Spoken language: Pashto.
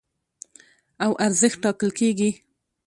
او ارزښت ټاکل کېږي.